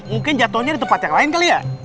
mungkin jatuhnya di tempat yang lain kali ya